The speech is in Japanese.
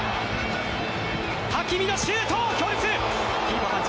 ハキミのシュート、強烈。